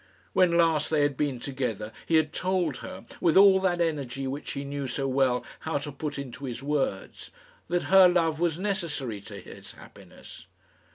When last they had been together he had told her, with all that energy which he knew so well how to put into his words, that her love was necessary to his happiness.